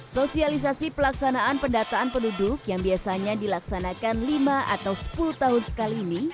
sosialisasi pelaksanaan pendataan penduduk yang biasanya dilaksanakan lima atau sepuluh tahun sekali ini